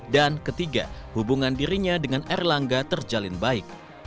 dan ketiga hubungan dirinya dengan erlangga terjalin baik